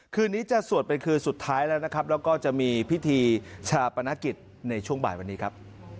คืนนี้จะสวดเป็นคืนสุดท้ายแล้วนะครับแล้วก็จะมีพิธีชาปนกิจในช่วงบ่ายวันนี้ครับ